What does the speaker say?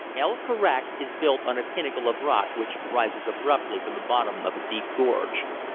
El Karak is built on a pinnacle of rock which rises abruptly from the bottom of a deep gorge.